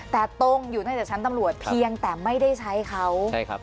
แต่ตรงอยู่ในชั้นตำรวจเพียงแต่ไม่ได้ใช้เขา